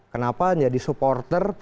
kenapa menjadi supporter